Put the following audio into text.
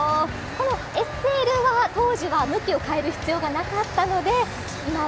ＳＬは当時は向きを変える必要はなかったので。